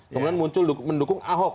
kemudian muncul mendukung ahok